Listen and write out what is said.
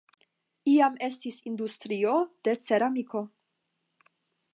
Iam estis industrio de ceramiko.